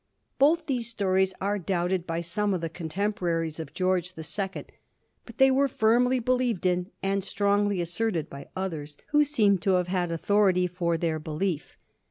Both these stories are doubted by some of the contempo raries of George the Second, but they were firmly believed in and strongly asserted by others, who seem to have had authority for their belief.